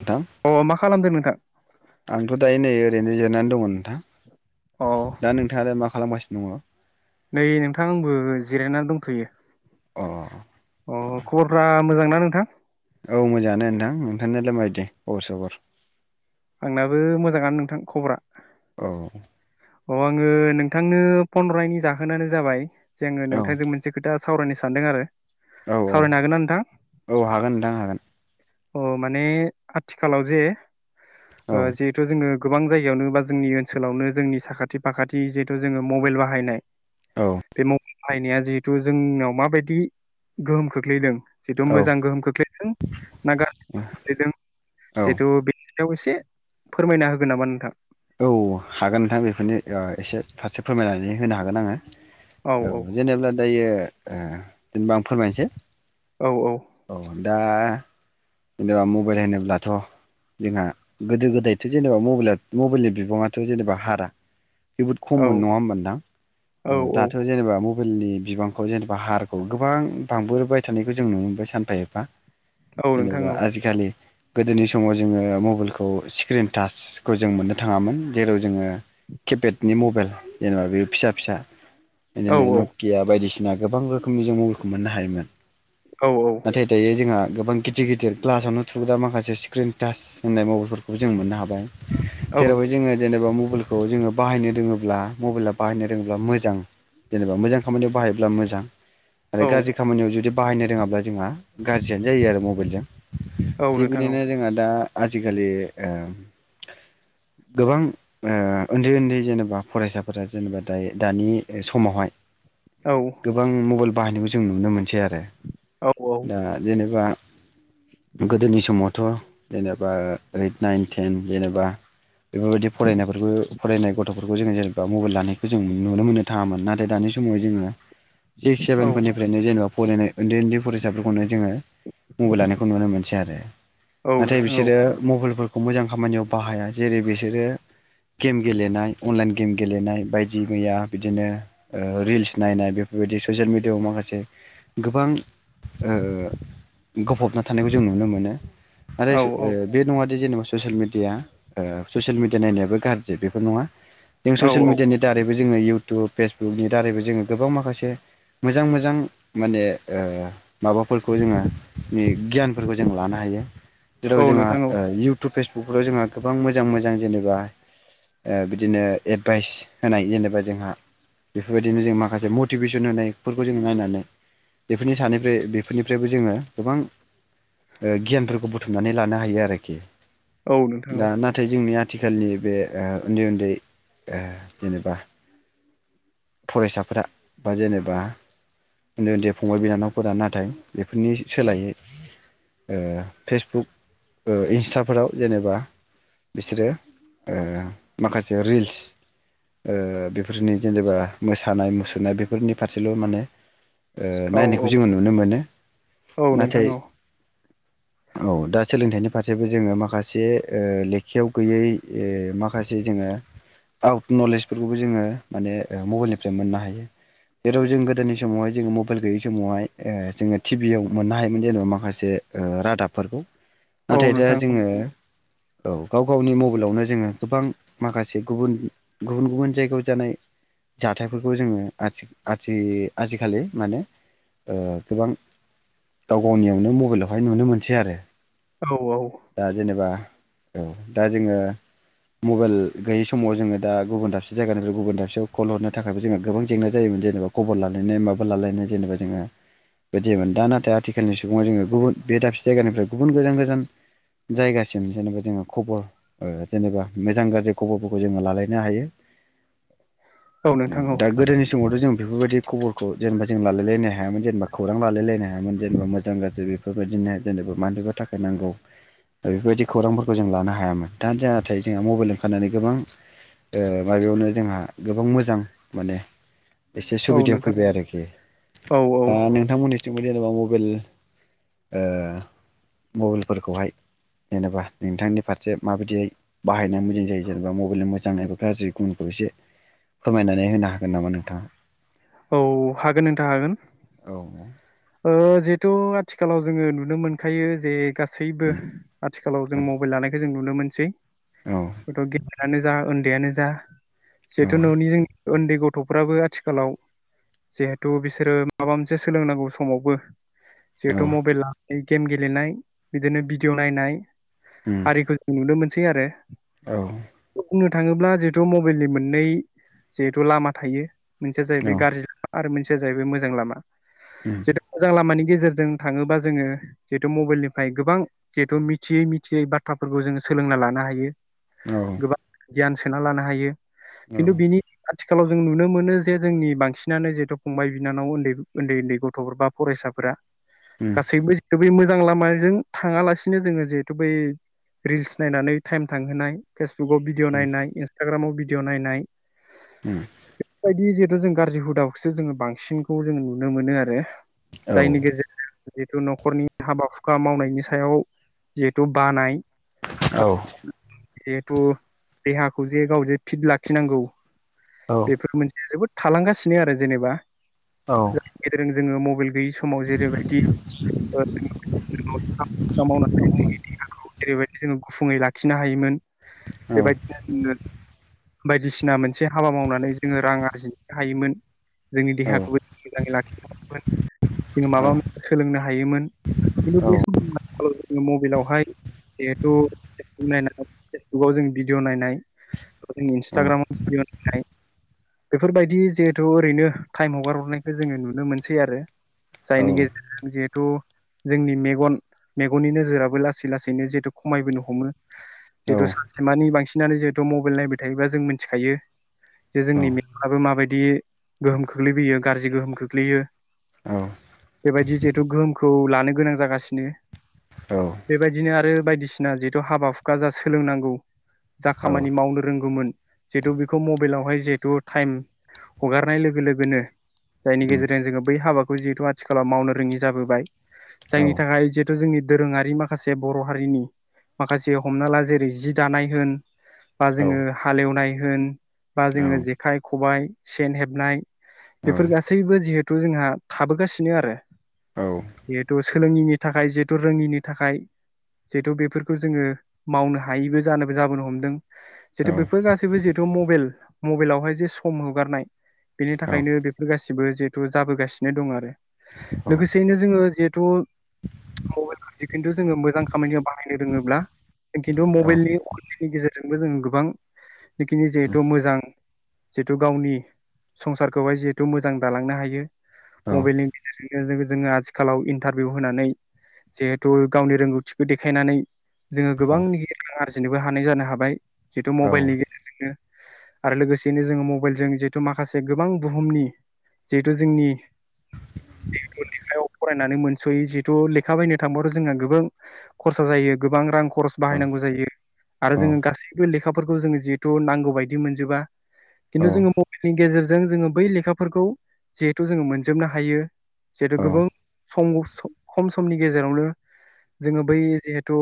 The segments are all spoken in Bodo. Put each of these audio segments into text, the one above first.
नोंथां अ मा खालामदों नोंथां आंथ' दायो नै ओरैनो जेरायना नानै दङ नोंथां अ दा नोंथाङालाय मा खालामगासिनो दङ नै नोंथां आंबो जिरायनानै दंथ'यो अ अ खबरफ्रा मोजां ना नोंथां औ मोजाङानो नोंथां नोंथांनालाय मा बायदि खबर सबर आंनाबो मोजाङानो नोंथां खबरा औ औ आङो नोंथांनो फन हरनायनि जाहोनानो जाबाय जोङो औ नोंथांजों मोनसे खोथा सावरायनो सानदों आरो औ औ सावरायनो हागोन ना नोंथां औ हागोन नोंथां हागोन अ माने आथिखालाव जे औ जिहेथु जोङो गोबां जायगायावनो बा जोंनि ओनसोलावनो जोंनि साखाथि फाखाथि जिहेथु जोङो मबाइल बाहायनाय औ बे मबाइल बाहायनाया जिहेथु जोंनाव माबायदि गोहोम खोख्लैदों जिहेथु औ मोजां गोहोम खोख्लैदों ना गाज्रि गोहोम खोख्लैदों औ जिथु बेनि बेखौ एसे फोरमायना होगोन नामा नोंथां औ हागोन नोंथां बेफोरनो एसे फारसे फोरमायनानै होनो हागोन आङो औ जेनेबा दायो ए जेनेबा आं फोरमायनोसै औ औ दा जेनेबा मबाइल होनोब्लाथ' जोंहा गोदो गोदायथ' जेनेबा मबाइलआ मबाइलनि बिबाङाथ' जेनेबा हारा जोबोद खममोन नङा होमबा नोंथां औ दाथ' जेनेबा मबाइला मबेलनि बिबांखौ जेनेबा हारखौ गोबां बांबोबाय थानायखौ जों नुनो मोनबाय सानफा एफा औ नोंथां जेनेबा औ आजिखालि गोदोनि समाव जोङो मबाइल मबाइलखौ स्क्रिन टाच खौ जों मोननो थाङामोन जेराव जोङो किपेडनि मबाइल जेनेबा बे फिसा फिसा औ बिदिनो नकिया बायदिसिना सिना गोबां रोखोमनि जों मबाइलखौ मोननो हायोमोन औ नाथाय दायो जोंहा गोबां गिदिर गिदिर ग्लास आवनो थुग्रा दा माखासे स्क्रिन टाच होननाय मबाइलफोरखौबो जों मोननो हाबाय औ जेरावहाय जोङो जेनेबा मबाइल मबाइलखौ जोङो बाहायनो रोङोब्ला मबाइला बाहायनो रोङोब्ला मोजां जेनेबा मोजां खामानियाव बाहायोब्ला मोजां औ आरो गाज्रि खामानियाव जुदि बाहायनो रोङाब्ला जोंहा गाज्रियानो जायो आरो मबाइलजों औ थिग नोंथां औ बिदिनो जोंहा दा आजिखालि गोबां उन्दै उन्दै जेनेबा फरायसाफोरा जेनेबा दायो दानि समावहाय औ गोबां मबाइल बाहायनोबो जों नुनो मोनसै आरो औ दा जेनेबा गोदोनि समावथ' जेनेबा ओइट नाइन टेन। जेनेबा बेफोरबायदि फरायनायफोरखौ फरायनाय गथ'फोरखौ जोङो जेनेबा मबाइल लानायखौ जों नुनो मोननो थाङामोन नाथाय दानि समावह जोङो सिक्स सेभेन फोरनिफ्रायनो जेनेबा फरायनाय उन्दै उन्दै फरायसाफोरखौनो जोङो मबाइल लानायखौ नुनो मोनसै आरो। औ नाथाय नोंथां औ बिसोरो मबाइल खौ मोजां खामानियाव बाहाया जेरै बिसोरो गेम गेलेनाय अनलाइन गेम गेलेनाय बायदि मैया बिदिनो रिल्स नायनाय बेफोरबायदि ससियेल मेडियाआव माखासे गोबां गफबना थानायखौ जों नुनो मोनो। आरो औ बे नङादे जेनेबा। ससियेल मिडिया ससियेल मिडिया नायनायाबो गाज्रि बेफोर नङा जों औ ससियेल मिडियानि दारैबो जोङो इउ थु फेसबुकनि दारैबो जोङो गोबां माखासे मोजां मोजां माने माबाफोरखौ जोङो गियानफोरखौ जों लानो हायो। जेराव औ जोंहा नोंथां औ फेसबुकफ्राव जोंहा गोबां मोजां मोजां जेनेबा बिदिनो एडभाइस होनाय जेनेबा जोंहा बेफोरबायदिनो जों माखासे मटिभेसन होनायफोरखौ जो नायनानै बेफोरनि सानैफ्राय बेफोरनिफ्रायबो जोङो गोबां गियानफोरखौ बुथुमनानै लानो हायो आरोखि। औ नोंथां औ दा नाथाय जोंनि आथिखालनि बे उन्दै उन्दै जेनेबा फरायसाफोरा बा जेनेबा उन्दै उन्दै फंबाय बिनानावफोरा नाथाय बेफोरनि सोलायै फेसबुक इन्सटाफोराव जेनेबा बिसोरो माखासे रिल्स बेफोरनि जेनेबा मोसानाय मुसुरनाय बेफोरनि फारसेल' माने औ औ नायनायखौ जोङो नुनो मोनो औ नोंथां नाथाय औ औ दा सोलोंथाइनि जाथेबो जोङो माखासे एसे लेखायाव गैयै माखासे जोङो आउट नलेजफोरखौबो जोङो माने मबाइलनिफ्राय मोननो हायो जेराव जों गोदोनि समावहाय जोङो मबाइल गैयै समावहाय जोङो टिभियाव मोननो हायोमोन जेनेबा माखासे रादाबफोरखौ औ नाथाय दा नोंथां औ जोङो औ गाव गावनि मबाइलावनो जोङो गोबां माखासे गुबुन गुबुन गुबुन जायगायाव जानाय जाथायफोरखौ जोङोथि आथि आजिखालि माने गोबां गाव गावनियावनो मबाइलावहाय नुनो मोनसै आरो औ औ दा जेनेबा औ दा जोङो मबाइल गैयै समाव जोङो दा गुबुन दाबसे जायगानिफ्राय गुबुन दाबसेयाव कल हरनो थाखायबो जोंहा गोबां जेंना जायोमोन जेनेबा खबर लालायनाय माबा लालायनाय जेनेबा जोङो बेदि जायोमोन दा नाथाय आथिखालनि सुबुङाव जोङो गुबुन बे दाबसे जायगानिफ्राय गुबुन गोजान गोजान जायगा। जेनेबा जोङो खबर जेनेबा मोजां गाज्रि खबरफोरखौ जोङो लालायनो हायो। औ नोंथां औ दा गोदोनि समावथ' जों बेफोरबायदि खबरखौ जेनेबा जों लालायलायनो हायामोन जेनेबा खौरां लालायलायनो हायामोन जेनेबा मोजां गाज्रि बेफोरबायदिनो जेनेबा मानोबा थाखाय नांगौ बेफोरबायदि। खौरांफोरखौ जों लानो हायामोन दा जाथथाय जोंहा मबाइल ओंखारनानै गोबां माबायावनो जोंहा गोबां मोजां माने। एसे औ सुबिदायाव नोंथां फैबाय आरोखि औ औ दा नोंथांमोननिसो जेनबा मबाइल मबाइलफोरखौहाय जेनेबा नोंथांनि फारसे माबायदिय बाहायनानै मोजां जायो जेनेबा मबाइलनि मोजां नाय गाज्रि गुबुनखौ एसे फोरमायनानै होनो हागोन नामा नोंथाङा? औ हागोन नोंथां हागोन। जिहेथु आथिखालाव जोङो नुनो मोनखायो जे गासै गासैबो आथिखालाव जों मबाइल लानायखौ जों नुनो मोनै सै। औ अथ' ग नो जा उन्दैयानो जा औ जिहेथु औ न'नि जों उन्दै गथ'फ्राबो आथिखालाव जिहेथु बिसोरो माबा मोनसे सोलोंनांगौ समावबो जिहेथु मबाइला गेम गेलेनाय बिदिनो भिडिअ' नायनाय आरिखौ जों नुनो मोन सै आरो औ बुंनो थाङोब्ला जिहेथु मबाइलनि मोननै जिहेथु लामा थायो मोनसेया जाहैबाय गाज्रि आरो मोनसेया मोनसेया जाहैबाय मोजां लामा उम जिहेथु मोजां लामानि गेजेरजों थाङोबा जोङो जिहेथु मबाइलनिफ्राय गोबां जिहेथु मिथियै मिथियै बाथ्राफोरखौ जोङो सोलोंना लानो हायो। औ गोबां गियान सोना लानो हायो। खिन्थु बिनि थिखालाव जों नुनो मोनो जे जोंनि बांसिनानो जिहेथु फंबाय बिनानाव उन्दै उन्दै उन्दै गथ थ'फोर बा फरायसाफोरा गासैबोै जिहेथु बै मोजां मोजां लामाजों थाङालासिनो जोङो जिहेथु बै रिल्स नायनानै टाइम थांहोनाय फेस इउथुबाव भिडिअ' नायनाय इन्स्टाग्रामाव भिडिअ' नायनाय उम जिहेतु जों गाज्रि हुदाखौसो जोङो बांसिनखौ जों नुनो मोनो आरो जायनि गेजेरजों जिहेथु न'खरनि हाबा हुखा मावनायनि सायाव जिहेथु बानाय औ जिहेथु देहाखौ जे गाव जे फिट लाखिनांगौ। बेफोर मोनसे जोबोद थालांगासिनो आरो जेनेबा औ गेजेरजों जोङो मबाइल गैयि समाव जेरै बायदि [unintelligible] जोंनि देहाखौ जेरैबायदि जोङो गुफुङै लाखिनो हायोमोन। बेबाय दिनो [unintelligible] बायदिसिना मोनसे हाबा मावनानै जोङो रां आरजिनो हायोमोन जोंनि देहाखौबो मोजाङै लाखिनो होन जोङो माबा मोनसे सोलोंनो हा [unintelligible] बे समाव आथिखालाव जोङो मबाइलावहाय जिहेथु फब नायनानै फेसबुकाव जों भिडिअ' नाय जों इन्सटाग्रामाव भिडिअ नायनाय बेफोरबायदि जिहेथु ओरैनो टाइम हगार हरनायखौ जोङो नुनो मोनसै आरो जायनि गेजेरजों [unintelligible] [unintelligible] जोंनि मेगन मेगननि नोजोराबो लासै लासैनो जिहेतु खमायबोनो हमो जिहेतु सानसेमानि बांसिन सिनानो जिहेथु मबाइल नायबाय थायोबा जों मिथिखायो जे जोंनि मेगाबो माबायदि गोहोम खोख्लैबोयो गाज्रि गोहोम खोख्लैयो बेबायदि ज गोहोमखौ लानो गोनां जागासिनो बेबायदिनो आरो बायदिसिना जिहेथु हाबा हुखा जा सोलोंनांगौ जा खामानि मावनो रोंगौमोन जिहेतु बेखौ मबाइलावहाय जिहेतु टाइम हगारनाय लोगो लोगोनो जायनि गेजेरजों जोङो बै हाबाखौ जिहेतु आथिखालाव मावनो रोङि जाबोबाय जायनि थाखाय जिहेथु जोंनि दोरोङारि माखासे बर' हारिनि माखासे हमना ला जेरै जि दानाय होन बा जोङो हालेवनाय होन बा जोङो जेखाइ खबाइ सेन हेबनाय बेफोर गासैबो जिहेथु जोंहा थाबोगासिनो आरो । औ जिेतु सोलोङैनि थाखाय जिहेतु रोङिनि थाखाय जिहेतु बेफोरखौ जोङो मावनो हायैबो जानोबो जाबोनो हमदों जिहेतु बेफोर गासैबो जिहेतु मबेल मबेलावहाय जे सम होगारनाय बेनि थाखायनो बेफोर गासिबो जिहेतु जाबोगासिनो दं आरो लोगोसे सिनो जोङो जिहेथु मबाइल जि खिन्थु जोङो मोजां खामानिखौ बाहायनो रोङोब्ला जों खिन्थु मबाइलनि अनलाइननि गेजेरजोंबो जोङो गोबां जिखिनि जिहेथु मोजां जिहेतु गावनि संसारखौहाय जिहेथु मोजां दालांनो हायो । मबाइलनि [unintelligible] जोङो आथिखालाव इन्टारभिउ होनानै जिहेथु गावनि रोंगौथिखौ देखायनानै जोङो गोबांख रां आरजिनोबो हानाय जानो हाबाय । जितु मबाइलनि गेजेरजोंनो आरो लोगोसेयैनो जोङो मबाइलजों जिहेथु माखासे गोबां बुहुमनि जिहेथु जोंनि लेखायाव फरायनानै मोनस'यै जिहेथु लेखा बायनो थांबाथ' जोंहा गोबां खरसा जायो गोबां रां खरस बाहायनांगौ जायो आरो जोङो गासैबो लेखा लेखाफोरखौ जोङो जिहेथु नांगौ बायदि मोनजोबा । खिन्थु जोङो मबाइ नि गेजेरजों जोङो बै लेखाफोरखौ जिहेथु जोङो मोनजोबनो हायो । जिहेथ' गोबाव सम खम समनि गेजेरावनो जोङो बै जिहेथु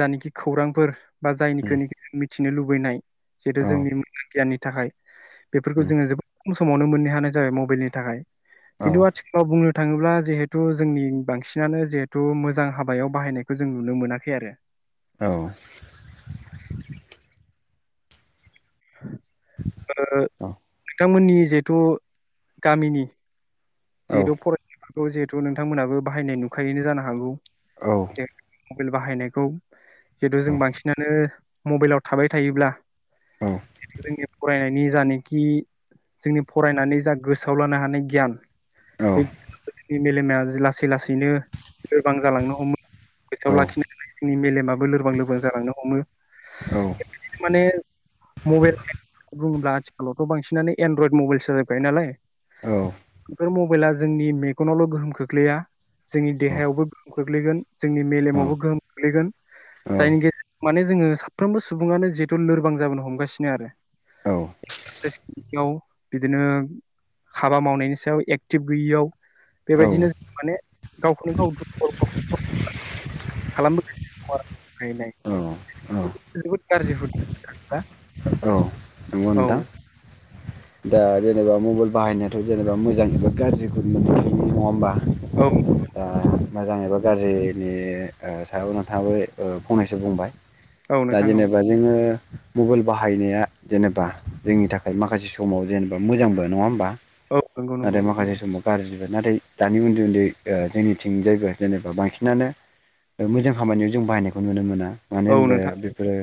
जानिखि खौरांफोर बा जायनिखनोखि जा मिथिनो लुबैनाय जिहेथु जोंनि मोजां गियाननि थाखाय बेफोरखौ जोङो जोबोद खम समावनो मोननो हानाय जाबाय मबाइलनि थाखाय । किन्थु आथिखालाव बुंनो थाङोब्ला जिहेथु जोंनि बांसिनानो जिहेथु मोजां हाबायाव बाहायनायखौ जों नुनो मोनाखै आरो औ [unintelligible] बिथांमोननि जिहेथु गामिनि जिहेथु [unintelligible] खौ जिहेथु नोंथांमोनहाबो बाहायनाय नुखायैनो जानो हागौ । औ मबाइल बाहायनायखौ जितु जों बांसिनानो मबाइलाव थाबाय थायोब्ला जिथुखि जोंनि फरायनायनि जानखि जोंनि फरायनानै जा गोसोआव लानो हानाय गियान बे मेलेमा लासै लासैनो लोरबां जालांनो हमो गोसोआव लाखिनानै जोंनि मेलेमाबो लोरबां लोरबां जालांनो हमो माने मबाइल बुङोब्ला आथिखालावथ' बांसिनानो एनड्रयड मबाइलसो [unintelligible] बाय नालाय । बेफोर मबाइला जोंनि मेगनावल' गोहोम खोख्लैया जोंनि देहायावबो गोहोम खोख्लैगोन जोंनि मेलेमावबो गोहोम खोख्लैगोन जायनि गेजेराव माने जोङो साफ्रोमबो सुबुङानो जिहेथु लोरबां जाबोनो हमगासिनो आरो औ एक्सारसाइसयाव बिदिनो हाबा मावनायनि सायाव एक्टिभ गैयियाव बेबायदिनो ज माने गावखौनो गाव दुखुआव खालाम [unintelligible] औ औ जोबोद गाज्रि हुदा [unintelligible] औ दा जेनेबा मबाइल बाहायनायाथ' जेनेबा मोजां एबा गाज्रिखौ मोनबाय थायो नङा होमबा? औ दा मोजां एबा गाज्रिनि सायाव नोंथाङाबो ओ फंनैसो बुंबाय औ । दा नोंथां औ जेनेबा जोङो मबाइल बाहायनाया जेनेबा जोंनि थाखाय माखासे समाव जेनेबा मोजांबो नङा होमबा? औ नंगौ नाथाय नंगौ माखासे समाव गाज्रिबो नाथाय दानि उन्दै उन्दै ओ जोंनिथिंजायबो जेनेबा बांसिनानो ओ मोजां खामानियाव जों बाहायनायखौ नुनो मोना मानो औ होनबा नोंथां बेफोरो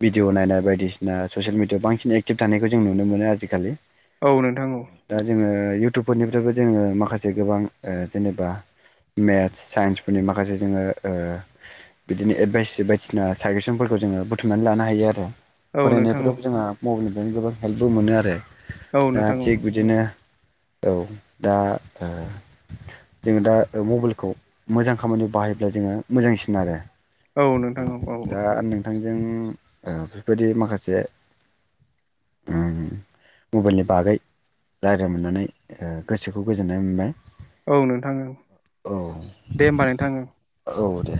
भिडिअ नायनाय बायसिना ससियेल मिडिआव बांसिन एखटिब थानायखौ जों नुनो मोनो आजिखालि औ नोंथां औ इयउटुबफोरनिफ्रायबो जोङो माखासे गोबां ओ जेनेबा मेथ्स साइन्सफोरनि माखासे जोङो ओ बिदिनो एडभाइस बायदिसिना साजेसनफोरखौ जोङो बुथुमनानै लानो हायो आरो । औ नोंथां औ फरायनायफोराव जोंहा मबाइलनिफ्रायनो गोबां हेल्पबो मोनो आरो औ दा नोंथां औ थिगबिदिनो औ दा ओ जोङो दा मबाइलखौ मोजां खामानियाव बाहायोब्ला जोङो मोजांसिन आरो । औ नोंथां औ औ जों ओ बेबायदि माखासे उम मबाइलनि बागै रायज्लाय मोननानै ओ गोसोखौ गोजोननाय मोनबाय । औ नोंथां दे होमबा नोंथां औ दे